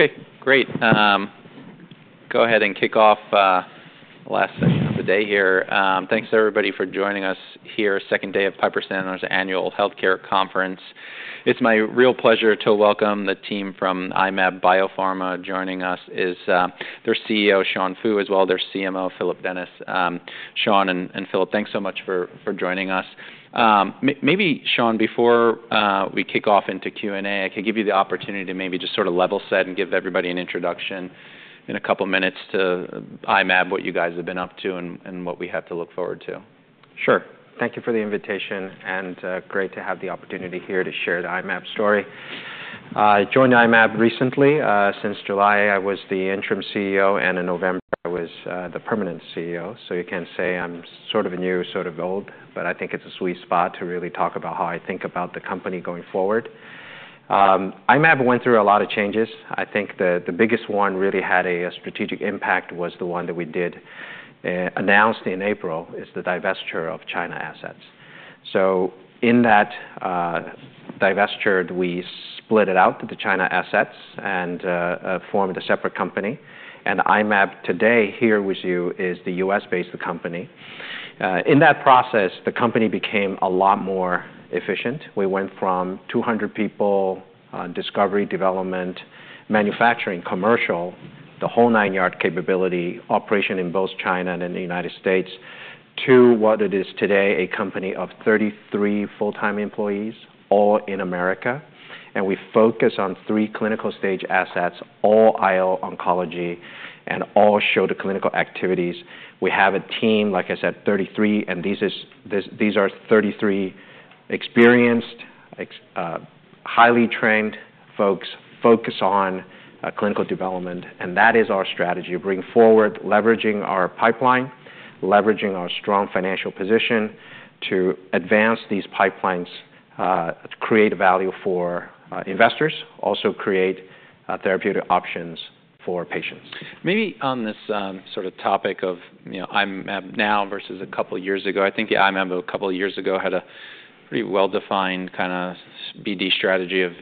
Okay, great. Go ahead and kick off the last segment of the day here. Thanks to everybody for joining us here, second day of Piper Sandler's Annual Healthcare Conference. It's my real pleasure to welcome the team from I-Mab Biopharma. Joining us is their CEO, Sean Fu, as well as their CMO, Phillip Dennis. Sean and Phillip, thanks so much for joining us. Maybe, Sean, before we kick off into Q&A, I can give you the opportunity to maybe just sort of level set and give everybody an introduction in a couple of minutes to I-Mab, what you guys have been up to and what we have to look forward to. Sure. Thank you for the invitation, and great to have the opportunity here to share the I-Mab story. I joined I-Mab recently. Since July, I was the interim CEO, and in November, I was the permanent CEO. So you can say I'm sort of new, sort of old, but I think it's a sweet spot to really talk about how I think about the company going forward. I-Mab went through a lot of changes. I think the biggest one really had a strategic impact was the one that we did announce in April, is the divestiture of China assets. So in that divestiture, we split it out to the China assets and formed a separate company. And I-Mab today here with you is the U.S.-based company. In that process, the company became a lot more efficient. We went from 200 people, discovery, development, manufacturing, commercial, the whole nine yards capability, operation in both China and in the United States, to what it is today, a company of 33 full-time employees, all in America. We focus on three clinical-stage assets, all IO oncology, and all show the clinical activities. We have a team, like I said, 33, and these are 33 experienced, highly trained folks focused on clinical development. That is our strategy to bring forward, leveraging our pipeline, leveraging our strong financial position to advance these pipelines, create value for investors, also create therapeutic options for patients. Maybe on this sort of topic of now versus a couple of years ago, I think I-Mab a couple of years ago had a pretty well-defined kind of BD strategy of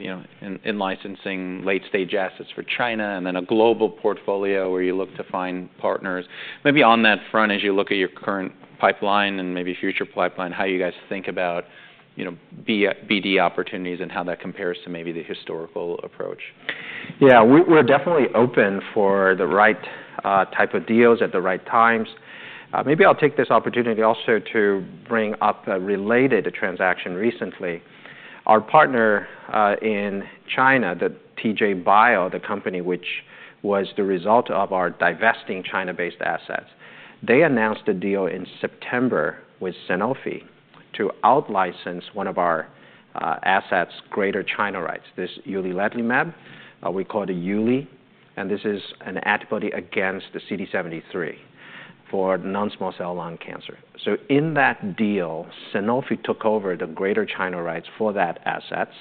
in-licensing late-stage assets for China and then a global portfolio where you look to find partners. Maybe on that front, as you look at your current pipeline and maybe future pipeline, how you guys think about BD opportunities and how that compares to maybe the historical approach? Yeah, we're definitely open for the right type of deals at the right times. Maybe I'll take this opportunity also to bring up a related transaction recently. Our partner in China, the TJ Bio, the company which was the result of our divesting China-based assets, they announced a deal in September with Sanofi to out-license one of our assets' greater China rights. This is UliledlIMab. We call it Uli, and this is an antibody against the CD73 for non-small cell lung cancer. So in that deal, Sanofi took over the greater China rights for that assets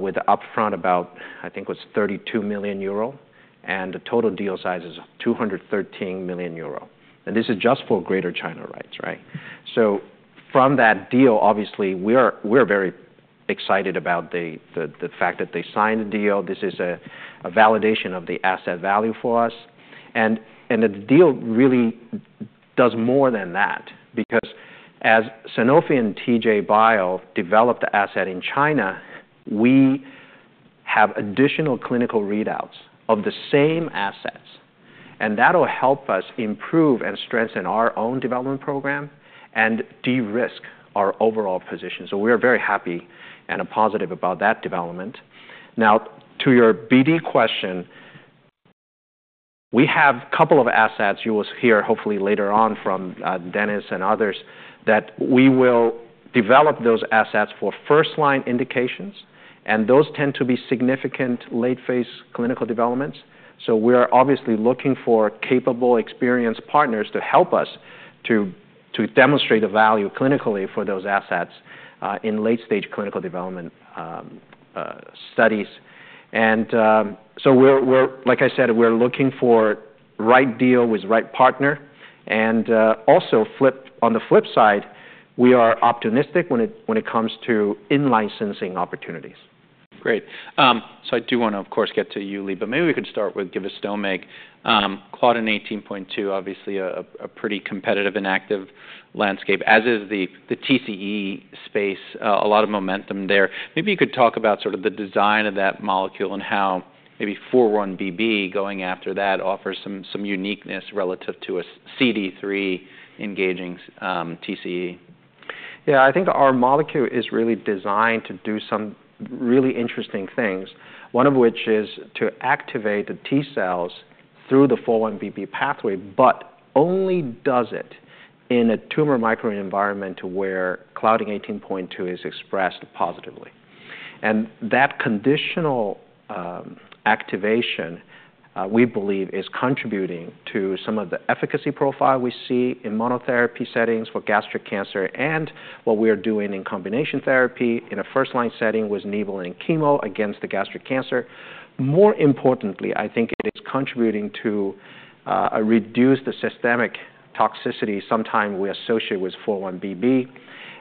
with the upfront about, I think it was 32 million euro, and the total deal size is 213 million euro. And this is just for greater China rights, right? So from that deal, obviously, we're very excited about the fact that they signed the deal. This is a validation of the asset value for us, and the deal really does more than that because as Sanofi and TJ Bio develop the asset in China, we have additional clinical readouts of the same assets, and that will help us improve and strengthen our own development program and de-risk our overall position. We are very happy and positive about that development. Now, to your BD question, we have a couple of assets you will hear hopefully later on from Dennis and others that we will develop those assets for first-line indications, and those tend to be significant late-phase clinical developments. We are obviously looking for capable, experienced partners to help us to demonstrate the value clinically for those assets in late-stage clinical development studies, and so we are, like I said, looking for the right deal with the right partner. Also, on the flip side, we are optimistic when it comes to in-licensing opportunities. Great. So I do want to, of course, get to Uli, but maybe we could start with Givastomig. Claudin 18.2, obviously a pretty competitive and active landscape, as is the TCE space, a lot of momentum there. Maybe you could talk about sort of the design of that molecule and how maybe 4-1BB going after that offers some uniqueness relative to a CD3 engaging TCE. Yeah, I think our molecule is really designed to do some really interesting things, one of which is to activate the T cells through the 4-1BB pathway, but only does it in a tumor microenvironment where Claudin 18.2 is expressed positively. And that conditional activation, we believe, is contributing to some of the efficacy profile we see in monotherapy settings for gastric cancer and what we are doing in combination therapy in a first-line setting with Nivolumab chemo against the gastric cancer. More importantly, I think it is contributing to reduce the systemic toxicity sometimes we associate with 4-1BB.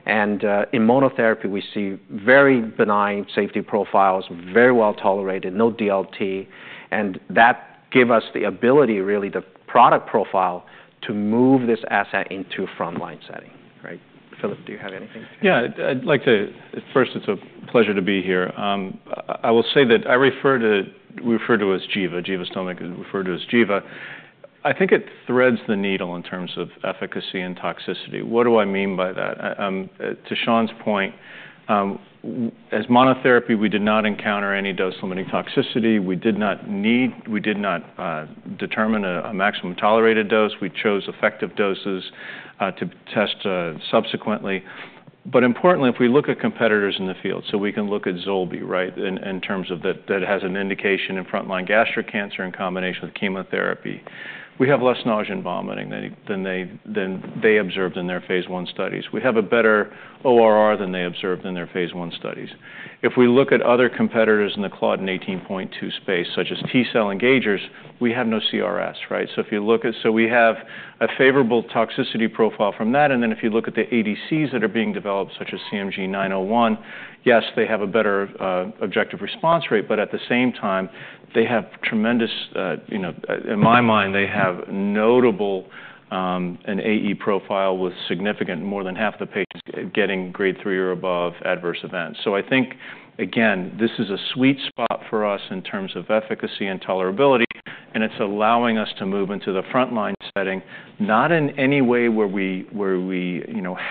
And in monotherapy, we see very benign safety profiles, very well tolerated, no DLT. And that gives us the ability, really, the product profile to move this asset into a front-line setting. Right? Phillip, do you have anything? Yeah, I'd like to, first, it's a pleasure to be here. I will say that we refer to it as Giva. Givastomig is referred to as Giva. I think it threads the needle in terms of efficacy and toxicity. What do I mean by that? To Sean's point, as monotherapy, we did not encounter any dose-limiting toxicity. We did not need, we did not determine a maximum tolerated dose. We chose effective doses to test subsequently. But importantly, if we look at competitors in the field, so we can look at Zolbi, right, in terms of that it has an indication in front-line gastric cancer in combination with chemotherapy, we have less nausea and vomiting than they observed in their phase I studies. We have a better ORR than they observed in their phase I studies. If we look at other competitors in the Claudin 18.2 space, such as T-cell engagers, we have no CRS, right? So if you look at, so we have a favorable toxicity profile from that. And then if you look at the ADCs that are being developed, such as CMG901, yes, they have a better objective response rate, but at the same time, they have tremendous, in my mind, they have a notable AE profile with significant, more than half the patients getting grade three or above adverse events. So I think, again, this is a sweet spot for us in terms of efficacy and tolerability, and it's allowing us to move into the front-line setting, not in any way where we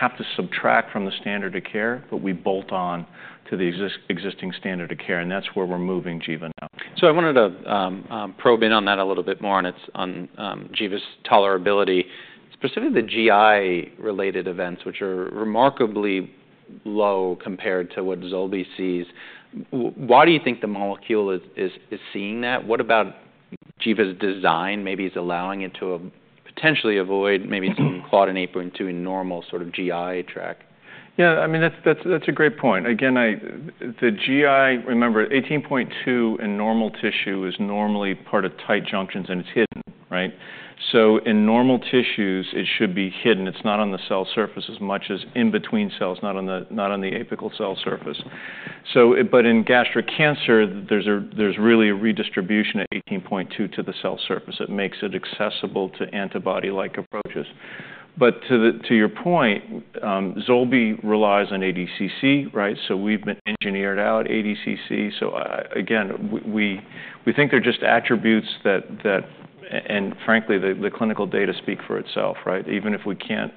have to subtract from the standard of care, but we bolt on to the existing standard of care. And that's where we're moving Giva now. I wanted to probe in on that a little bit more on Giva's tolerability, specifically the GI-related events, which are remarkably low compared to what Zolbi sees. Why do you think the molecule is seeing that? What about Giva's design, maybe is allowing it to potentially avoid maybe some Claudin 18.2 in normal sort of GI tract? Yeah, I mean, that's a great point. Again, the GI, remember, 18.2 in normal tissue is normally part of tight junctions, and it's hidden, right? So in normal tissues, it should be hidden. It's not on the cell surface as much as in between cells, not on the apical cell surface. But in gastric cancer, there's really a redistribution at 18.2 to the cell surface that makes it accessible to antibody-like approaches. But to your point, Zolbi relies on ADCC, right? So we've been engineered out ADCC. So again, we think they're just attributes that, and frankly, the clinical data speak for itself, right? Even if we can't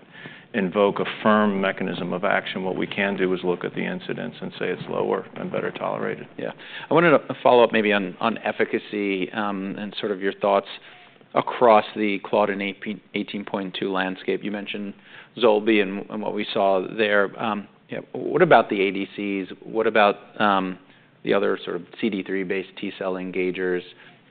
invoke a firm mechanism of action, what we can do is look at the incidence and say it's lower and better tolerated. Yeah. I wanted to follow up maybe on efficacy and sort of your thoughts across the Claudin 18.2 landscape. You mentioned Zolbi and what we saw there. What about the ADCs? What about the other sort of CD3-based T cell engagers?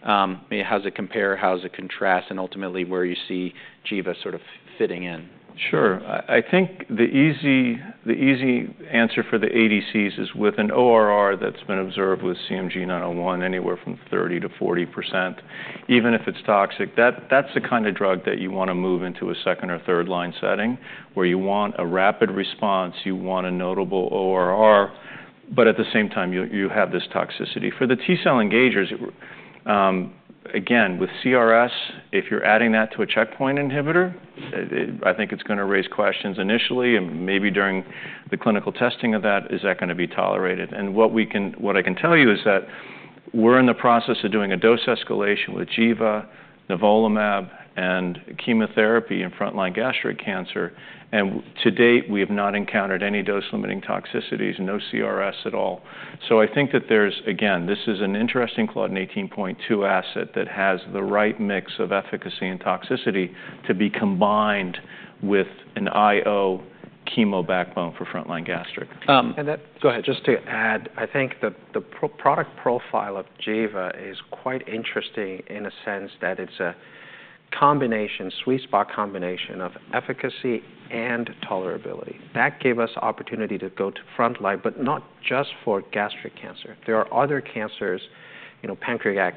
How does it compare? How does it contrast? And ultimately, where you see Giva sort of fitting in? Sure. I think the easy answer for the ADCs is with an ORR that's been observed with CMG901, anywhere from 30%-40%, even if it's toxic. That's the kind of drug that you want to move into a second or third-line setting where you want a rapid response, you want a notable ORR, but at the same time, you have this toxicity. For the T cell engagers, again, with CRS, if you're adding that to a checkpoint inhibitor, I think it's going to raise questions initially and maybe during the clinical testing of that, is that going to be tolerated? And what I can tell you is that we're in the process of doing a dose escalation with Giva, Nivolumab, and chemotherapy in front-line gastric cancer. And to date, we have not encountered any dose-limiting toxicities, no CRS at all. I think that there's, again, this is an interesting Claudin 18.2 asset that has the right mix of efficacy and toxicity to be combined with an IO chemo backbone for front-line gastric. Go ahead. Just to add, I think the product profile of Giva is quite interesting in a sense that it's a combination, sweet spot combination of efficacy and tolerability. That gave us opportunity to go to front line, but not just for gastric cancer. There are other cancers, pancreatic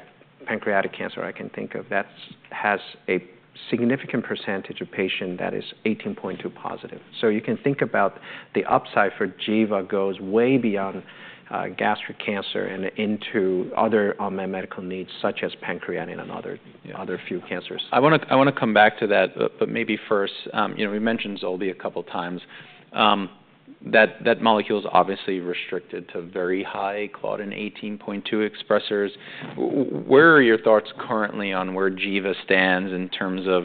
cancer I can think of, that has a significant percentage of patients that is 18.2 positive. So you can think about the upside for Giva goes way beyond gastric cancer and into other medical needs, such as pancreatic and other few cancers. I want to come back to that, but maybe first, you know, we mentioned Zolbi a couple of times. That molecule is obviously restricted to very high Claudin 18.2 expressors. Where are your thoughts currently on where Giva stands in terms of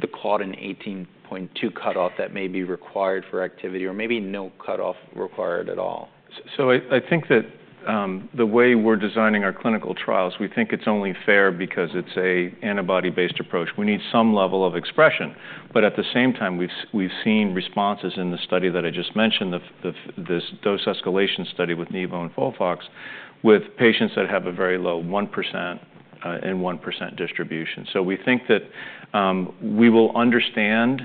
the Claudin 18.2 cutoff that may be required for activity or maybe no cutoff required at all? So I think that the way we're designing our clinical trials, we think it's only fair because it's an antibody-based approach. We need some level of expression. But at the same time, we've seen responses in the study that I just mentioned, this dose escalation study with Nivo and FOLFOX, with patients that have a very low 1% and 1% distribution. So we think that we will understand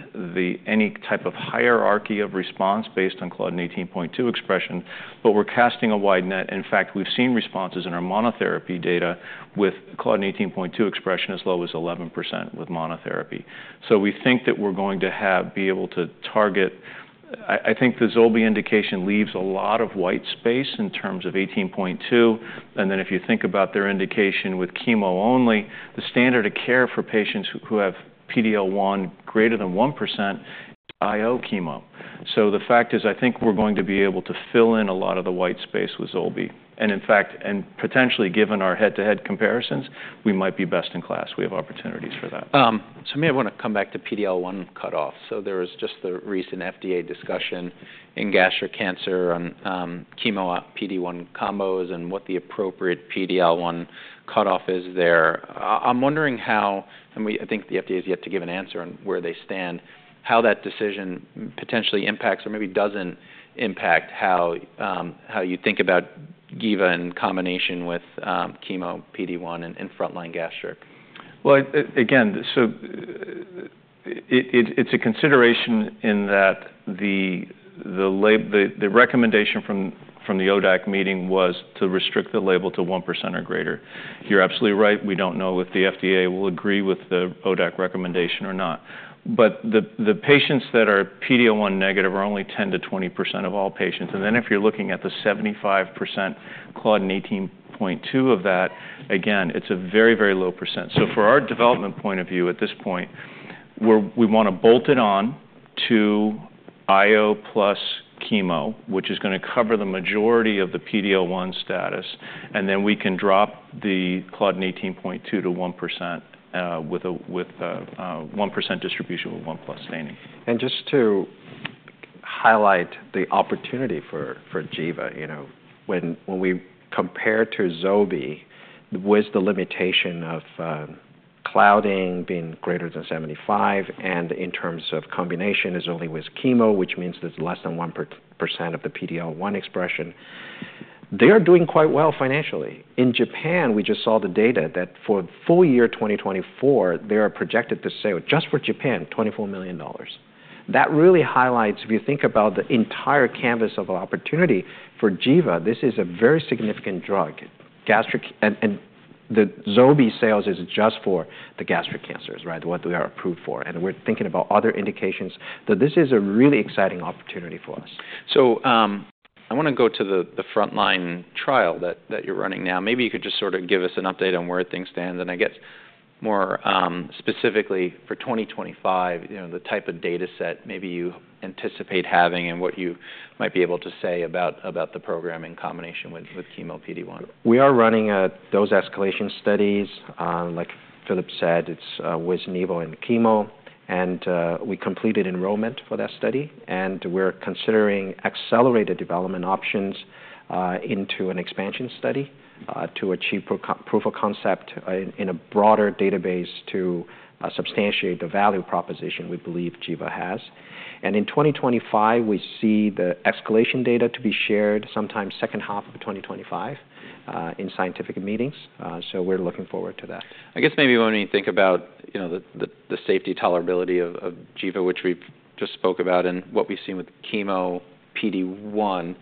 any type of hierarchy of response based on Claudin 18.2 expression, but we're casting a wide net. In fact, we've seen responses in our monotherapy data with Claudin 18.2 expression as low as 11% with monotherapy. So we think that we're going to be able to target. I think the Zolbi indication leaves a lot of white space in terms of 18.2. And then if you think about their indication with chemo only, the standard of care for patients who have PD-L1 greater than 1% is IO chemo. So the fact is, I think we're going to be able to fill in a lot of the white space with Zolbi. And in fact, potentially given our head-to-head comparisons, we might be best in class. We have opportunities for that. Maybe I want to come back to PD-L1 cutoff. There was just the recent FDA discussion in gastric cancer on chemo PD-1 combos and what the appropriate PD-L1 cutoff is there. I'm wondering how, and I think the FDA has yet to give an answer on where they stand, how that decision potentially impacts or maybe doesn't impact how you think about Giva in combination with chemo PD-1 and front-line gastric. Again, so it's a consideration in that the recommendation from the ODAC meeting was to restrict the label to 1% or greater. You're absolutely right. We don't know if the FDA will agree with the ODAC recommendation or not. But the patients that are PD-L1 negative are only 10%-20% of all patients. And then if you're looking at the 75% Claudin 18.2 of that, again, it's a very, very low percent. So for our development point of view at this point, we want to bolt it on to IO plus chemo, which is going to cover the majority of the PD-L1 status. And then we can drop the Claudin 18.2 to 1% with a 1% distribution with 1% staining. Just to highlight the opportunity for Giva, you know, when we compare to Zolbi, with the limitation of Claudin being greater than 75% and in terms of combination is only with chemo, which means there's less than 1% of the PD-L1 expression, they are doing quite well financially. In Japan, we just saw the data that for the full year 2024, they are projected to sell just for Japan, $24 million. That really highlights, if you think about the entire canvas of opportunity for Giva, this is a very significant drug. And the Zolbi sales is just for the gastric cancers, right, what we are approved for. And we're thinking about other indications. This is a really exciting opportunity for us. So, I want to go to the front-line trial that you're running now. Maybe you could just sort of give us an update on where things stand, and I guess more specifically for 2025, you know, the type of data set maybe you anticipate having and what you might be able to say about the program in combination with chemo PD-1. We are running those escalation studies. Like Phillip said, it's with Nivo and chemo. And we completed enrollment for that study. And we're considering accelerated development options into an expansion study to achieve proof of concept in a broader database to substantiate the value proposition we believe Giva has. And in 2025, we see the escalation data to be shared sometime second half of 2025 in scientific meetings. So we're looking forward to that. I guess maybe when we think about, you know, the safety tolerability of Giva, which we just spoke about and what we've seen with chemo PD-1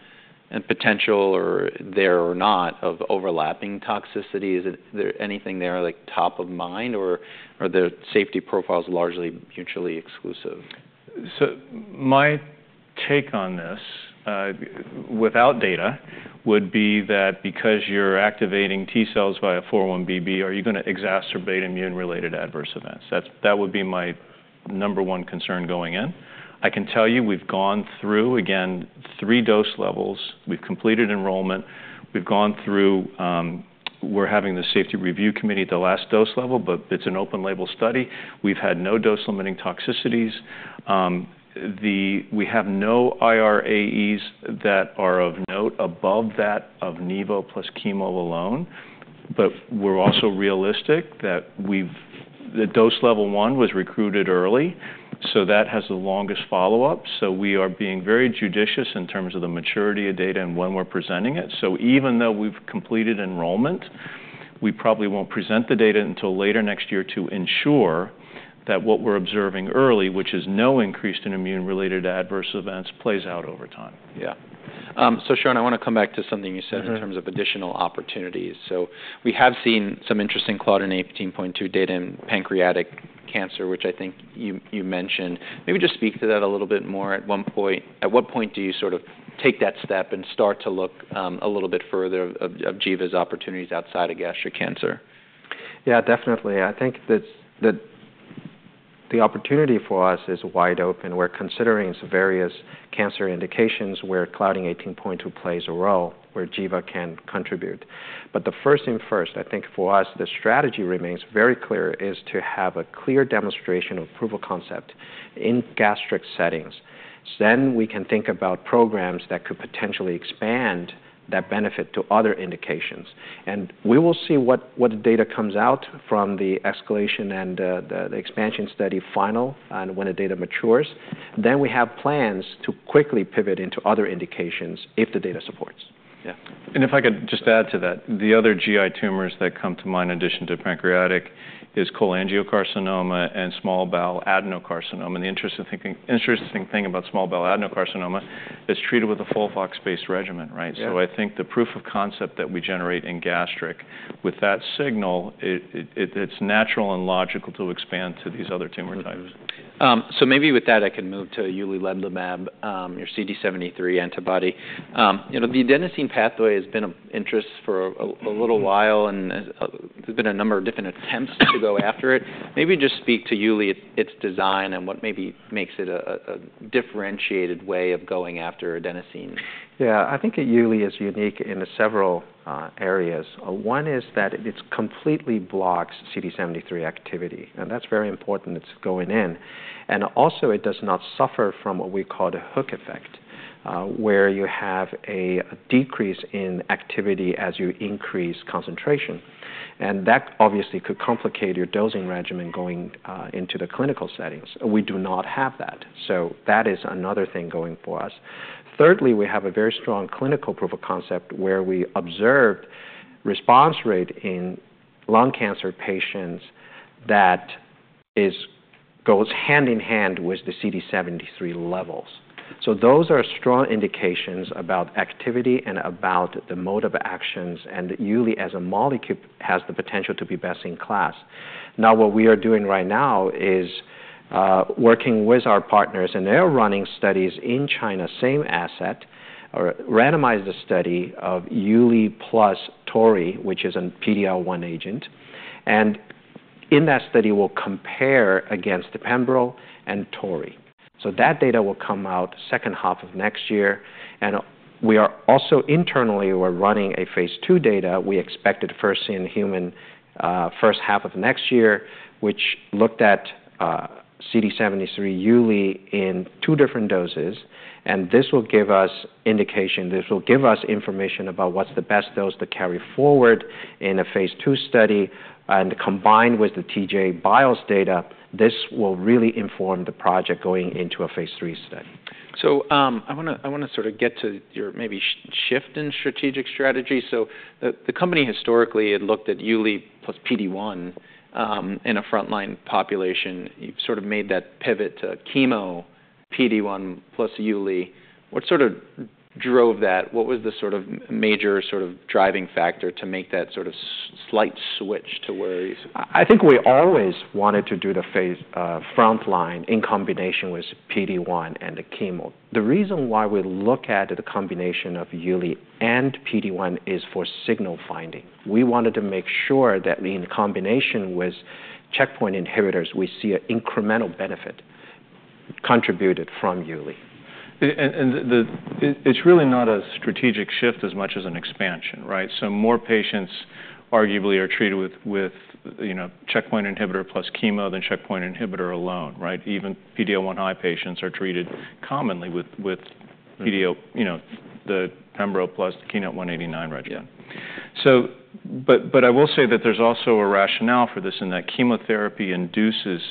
and potential or there or not of overlapping toxicity, is there anything there like top of mind or are the safety profiles largely mutually exclusive? My take on this without data would be that because you're activating T cells via 4-1BB, are you going to exacerbate immune-related adverse events? That would be my number one concern going in. I can tell you we've gone through, again, three dose levels. We've completed enrollment. We've gone through, we're having the safety review committee at the last dose level, but it's an open label study. We've had no dose-limiting toxicities. We have no IRAEs that are of note above that of Nivo plus chemo alone. But we're also realistic that we've, the dose level one was recruited early, so that has the longest follow-up. So we are being very judicious in terms of the maturity of data and when we're presenting it. So even though we've completed enrollment, we probably won't present the data until later next year to ensure that what we're observing early, which is no increase in immune-related adverse events, plays out over time. Yeah. So Sean, I want to come back to something you said in terms of additional opportunities. So we have seen some interesting claudin 18.2 data in pancreatic cancer, which I think you mentioned. Maybe just speak to that a little bit more at one point. At what point do you sort of take that step and start to look a little bit further of Giva's opportunities outside of gastric cancer? Yeah, definitely. I think that the opportunity for us is wide open. We're considering some various cancer indications where Claudin 18.2 plays a role where Giva can contribute. But the first thing first, I think for us, the strategy remains very clear is to have a clear demonstration of proof of concept in gastric settings. Then we can think about programs that could potentially expand that benefit to other indications. And we will see what data comes out from the escalation and the expansion study final and when the data matures. Then we have plans to quickly pivot into other indications if the data supports. Yeah. And if I could just add to that, the other GI tumors that come to mind in addition to pancreatic is cholangiocarcinoma and small bowel adenocarcinoma. And the interesting thing about small bowel adenocarcinoma is treated with a FOLFOX-based regimen, right? So I think the proof of concept that we generate in gastric with that signal, it's natural and logical to expand to these other tumor types. So maybe with that, I can move to UliledlIMab, your CD73 antibody. You know, the adenosine pathway has been of interest for a little while and there's been a number of different attempts to go after it. Maybe just speak to UliledlIMab, its design and what maybe makes it a differentiated way of going after adenosine. Yeah, I think Uli is unique in several areas. One is that it completely blocks CD73 activity. And that's very important that it's going in. And also it does not suffer from what we call the hook effect where you have a decrease in activity as you increase concentration. And that obviously could complicate your dosing regimen going into the clinical settings. We do not have that. So that is another thing going for us. Thirdly, we have a very strong clinical proof of concept where we observed response rate in lung cancer patients that goes hand in hand with the CD73 levels. So those are strong indications about activity and about the mode of actions. And Uli as a molecule has the potential to be best in class. Now what we are doing right now is working with our partners and they are running studies in China, same asset, a randomized study of Uli plus Tori, which is a PD-L1 agent, and in that study, we'll compare against the Pembro and Tori, so that data will come out second half of next year, and we are also internally, we're running a phase II data, we expect it first in human first half of next year, which looked at CD73 Uli in two different doses, and this will give us indication, this will give us information about what's the best dose to carry forward in a phase II study, and combined with the TJ Bio data, this will really inform the project going into a phase III study. So I want to sort of get to your maybe shift in strategic strategy. So the company historically had looked at Uli plus PD-1 in a frontline population. You've sort of made that pivot to chemo PD-1 plus Uli. What sort of drove that? What was the sort of major sort of driving factor to make that sort of slight switch to where you said? I think we always wanted to do the phase frontline in combination with PD-1 and the chemo. The reason why we look at the combination of Uli and PD-1 is for signal finding. We wanted to make sure that in combination with checkpoint inhibitors, we see an incremental benefit contributed from Uli. And it's really not a strategic shift as much as an expansion, right? So more patients arguably are treated with, you know, checkpoint inhibitor plus chemo than checkpoint inhibitor alone, right? Even PD-L1 high patients are treated commonly with, you know, the Pembro plus the Keynote-189 regimen. But I will say that there's also a rationale for this in that chemotherapy induces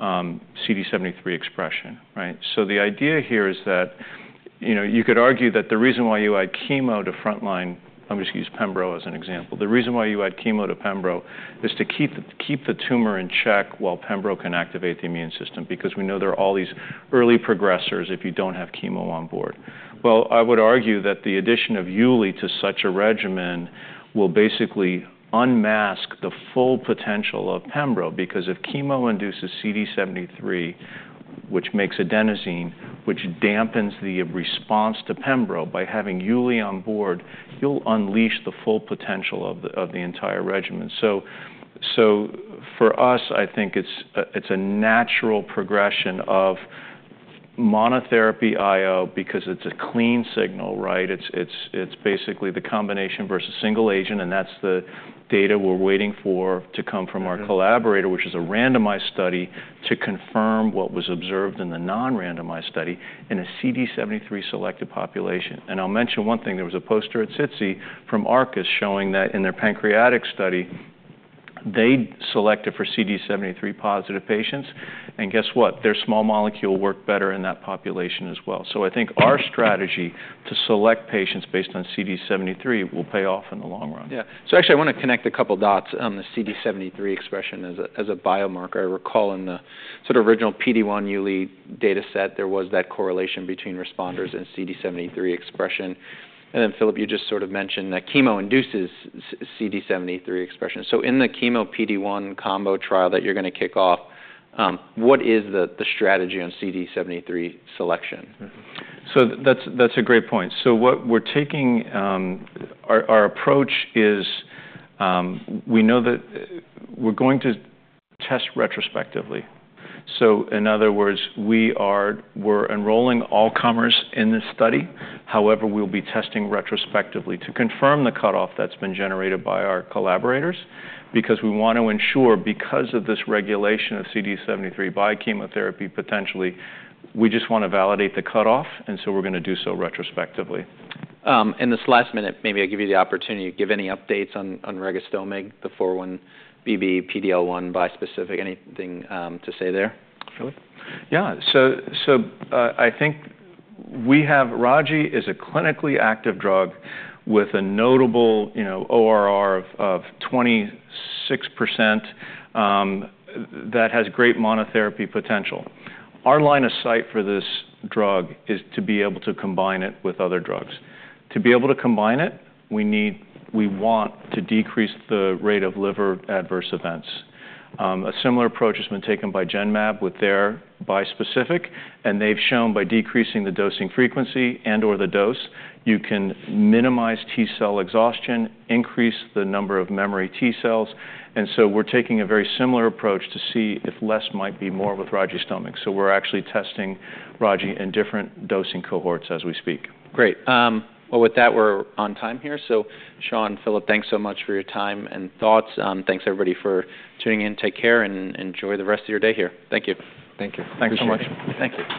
CD73 expression, right? So the idea here is that, you know, you could argue that the reason why you add chemo to frontline. I'm just going to use Pembro as an example. The reason why you add chemo to Pembro is to keep the tumor in check while Pembro can activate the immune system because we know there are all these early progressors if you don't have chemo on board. I would argue that the addition of Uli to such a regimen will basically unmask the full potential of Pembro because if chemo induces CD73, which makes adenosine, which dampens the response to Pembro by having Uli on board, you'll unleash the full potential of the entire regimen. For us, I think it's a natural progression of monotherapy IO because it's a clean signal, right? It's basically the combination versus single agent. That's the data we're waiting for to come from our collaborator, which is a randomized study to confirm what was observed in the non-randomized study in a CD73 selected population. I'll mention one thing. There was a poster at SITC from Arcus showing that in their pancreatic study, they selected for CD73 positive patients. Guess what? Their small molecule worked better in that population as well. I think our strategy to select patients based on CD73 will pay off in the long run. Yeah. So actually, I want to connect a couple of dots on the CD73 expression as a biomarker. I recall in the sort of original PD-1 Uli data set, there was that correlation between responders and CD73 expression. And then Phillip, you just sort of mentioned that chemo induces CD73 expression. So in the chemo PD-1 combo trial that you're going to kick off, what is the strategy on CD73 selection? So that's a great point. So what we're taking, our approach is we know that we're going to test retrospectively. So in other words, we are enrolling all comers in this study. However, we'll be testing retrospectively to confirm the cutoff that's been generated by our collaborators because we want to ensure because of this regulation of CD73 by chemotherapy potentially, we just want to validate the cutoff. And so we're going to do so retrospectively. In this last minute, maybe I'll give you the opportunity to give any updates on Ragistomig, the 4-1BB, PD-L1 bispecific, anything to say there? Phillip? Yeah. So I think we have Ragi is a clinically active drug with a notable, you know, ORR of 26% that has great monotherapy potential. Our line of sight for this drug is to be able to combine it with other drugs. To be able to combine it, we want to decrease the rate of liver adverse events. A similar approach has been taken by Genmab with their bispecific. And they've shown by decreasing the dosing frequency and/or the dose, you can minimize T cell exhaustion, increase the number of memory T cells. And so we're taking a very similar approach to see if less might be more with Ragistomig. So we're actually testing Ragi in different dosing cohorts as we speak. Great. Well, with that, we're on time here. So Sean, Phillip, thanks so much for your time and thoughts. Thanks everybody for tuning in. Take care and enjoy the rest of your day here. Thank you. Thank you. Thanks so much. Thank you.